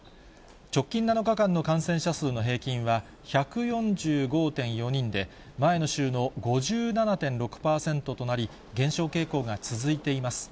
直近７日間の感染者数の平均は１４５．４人で、前の週の５７．６％となり、減少傾向が続いています。